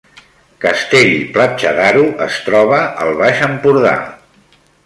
Castell-Platja d’Aro es troba al Baix Empordà